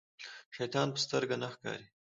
شيطان په سترګو نه ښکاري.